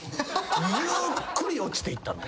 ゆっくり落ちていったの？